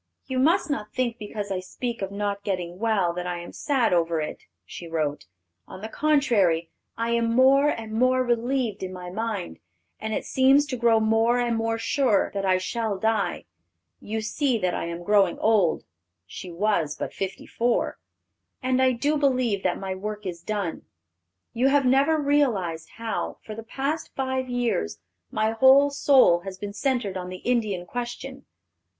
"You must not think because I speak of not getting well that I am sad over it," she wrote. "On the contrary, I am more and more relieved in my mind, as it seems to grow more and more sure that I shall die. You see that I am growing old" (she was but fifty four), "and I do believe that my work is done. You have never realized how, for the past five years, my whole soul has been centered on the Indian question.